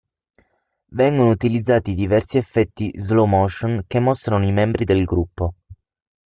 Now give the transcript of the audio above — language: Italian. Vengono utilizzati diversi effetti slow-motion che mostrano i membri del gruppo.